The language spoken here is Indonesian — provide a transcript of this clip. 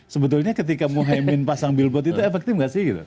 sebetulnya ketika mohaimin pasang billboard itu efektif gak sih gitu